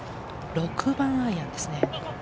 ６番アイアンですね。